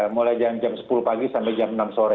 mulai jam sepuluh pagi sampai jam enam sore